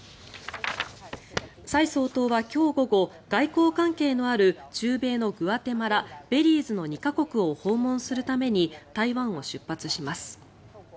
蔡総統は今日午後外交関係のある中米のグアテマラベリーズの２か国を訪問するために台湾を出発します。